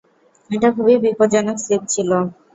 এটা খুবই বিপজ্জনক স্লিপ ছিল।